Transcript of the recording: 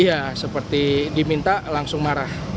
iya seperti diminta langsung marah